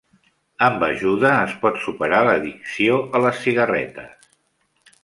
Amb ajuda es pot superar l'addicció a les cigarretes.